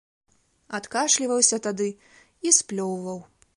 Адкашліваўся тады і сплёўваў.